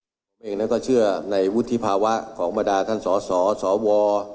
พร้อมกับระบุว่าส่วนตัวยังเชื่อมั่นในวุฒิภาวะของสสและสว